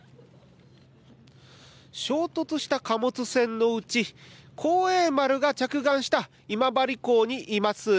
衝突した貨物船のうち幸栄丸が着岸した今治港にいます。